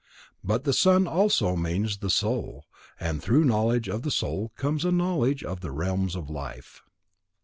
But the sun also means the Soul, and through knowledge of the Soul comes a knowledge of the realms of life.